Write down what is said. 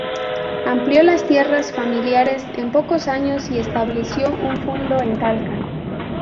Amplió las tierras familiares en pocos años y estableció un fundo en Talca.